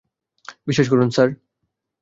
বিশ্বাস করুন, স্যার।